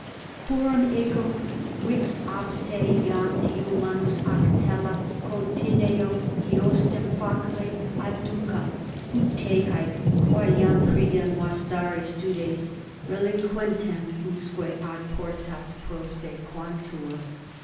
Quorum ego vix abs te iam diu manus ac tela contineo, eosdem facile adducam, ut te haec, quae iam pridem vastare studes, relinquentem usque ad portas prosequantur.